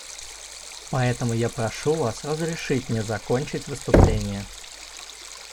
Поэтому я прошу Вас разрешить мне закончить выступление.